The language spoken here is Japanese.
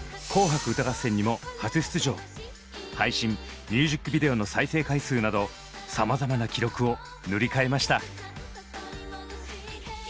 配信ミュージックビデオの再生回数などさまざまな記録を塗り替えました。